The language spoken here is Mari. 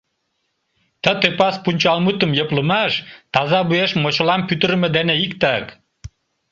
Ты тӧпас пунчалмутым йӧплымаш — таза вуеш мочылам пӱтырымӧ дене иктак.